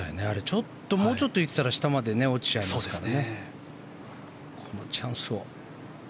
もうちょっと行ってたら下まで行っちゃうからね。